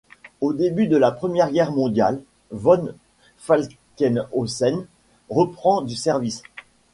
Au début de la Première Guerre mondiale, von Falkenhausen reprend du service.